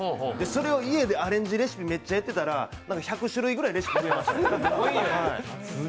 それを家でアレンジレシピ、めっちゃやってたら１００種類ぐらいレシピ増えまして。